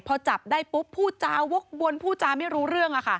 พอจับได้ปุ๊บพูดจาวกวนผู้จาไม่รู้เรื่อง